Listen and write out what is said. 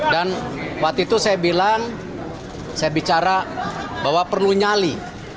dan waktu itu saya bilang saya bicara bahwa perlu nyali